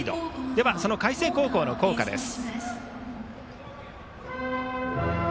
では海星高校の校歌です。